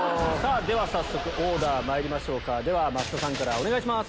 早速オーダーまいりましょうかでは増田さんからお願いします。